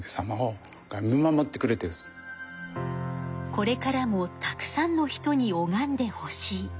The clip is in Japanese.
これからもたくさんの人におがんでほしい。